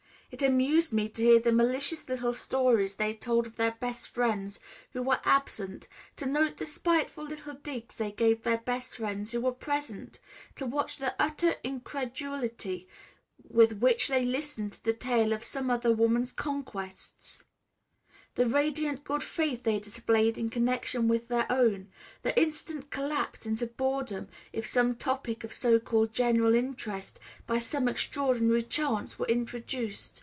It amused me to hear the malicious little stories they told of their best friends who were absent, to note the spiteful little digs they gave their best friends who were present, to watch the utter incredulity with which they listened to the tale of some other woman's conquests, the radiant good faith they displayed in connection with their own, the instant collapse into boredom, if some topic of so called general interest, by some extraordinary chance, were introduced."